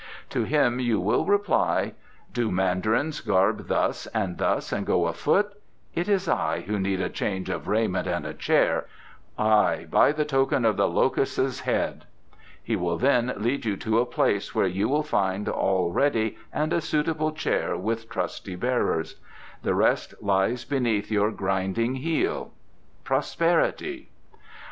To him you will reply, 'Do mandarins garb thus and thus and go afoot? It is I who need a change of raiment and a chair; aye, by the token of the Locust's Head!' He will then lead you to a place where you will find all ready and a suitable chair with trusty bearers. The rest lies beneath your grinding heel. Prosperity!"